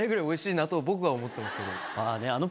おいしいなと僕は思ってますけど。